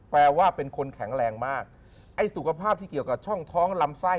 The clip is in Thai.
แปลว่าเป็นคนแข็งแรงมากไอ้สุขภาพที่เกี่ยวกับช่องท้องลำไส้